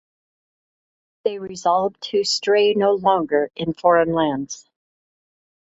They resolved to stray no longer in foreign lands.